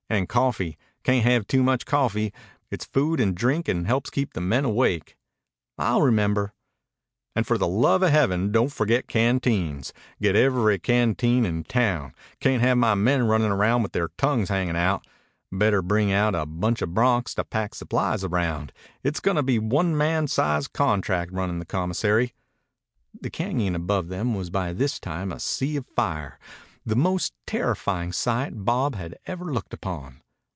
"And coffee. Cayn't have too much coffee. It's food and drink and helps keep the men awake." "I'll remember." "And for the love o' Heaven, don't forget canteens! Get every canteen in town. Cayn't have my men runnin' around with their tongues hangin' out. Better bring out a bunch of broncs to pack supplies around. It's goin' to be one man sized contract runnin' the commissary." The cañon above them was by this time a sea of fire, the most terrifying sight Bob had ever looked upon.